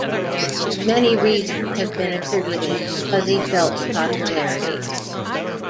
Many reasons have been attributed to Fuzzy-Felt's popularity.